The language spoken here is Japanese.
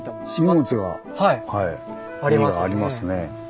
荷がありますね。